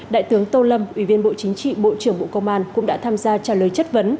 đại tướng tô lâm ủy viên bộ chính trị bộ trưởng bộ công an cũng đã tham gia trả lời chất vấn